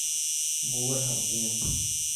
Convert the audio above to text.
Булырһың, тинем.